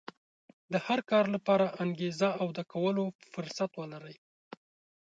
د هر کار لپاره انګېزه او د کولو فرصت ولرئ.